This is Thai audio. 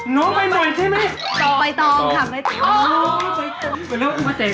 น้องไปหน่อยเถอะไหม